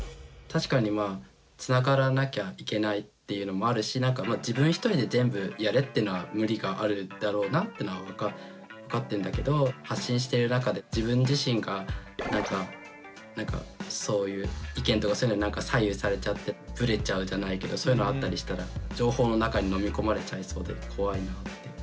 確かにまあつながらなきゃいけないっていうのもあるし自分一人で全部やれってのは無理があるだろうなってのは分かってんだけど発信してる中で自分自身がなんかそういう意見とかそういうのに左右されちゃってぶれちゃうじゃないけどそういうのあったりしたら情報の中にのみ込まれちゃいそうで怖いなって。